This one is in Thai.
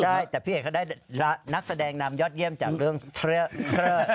ใช่แต่พี่เอกก็ได้นักแสดงดารำยอดเยี่ยมจากเรื่องฮับเลอสเซอร์